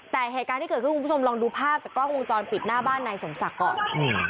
แต่เหตุการณ์ที่เกิดขึ้นคุณผู้ชมลองดูภาพจากกล้องวงจรปิดหน้าบ้านนายสมศักดิ์ก่อน